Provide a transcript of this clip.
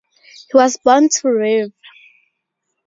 He was born to Rev.